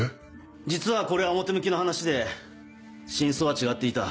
実はこれは表向きの話で真相は違っていた。